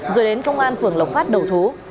rồi đến công an phường lộc phát đầu thú